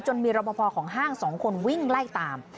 มีรบพอของห้าง๒คนวิ่งไล่ตาม